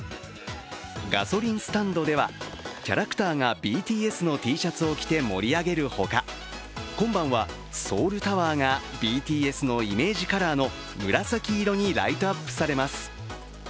ガソリンスタンドではキャラクターがＢＴＳのＴシャツを着て盛り上げるほか、今晩はソウルタワーがＢＴＳのイメージカラーの紫色にライトアップされます。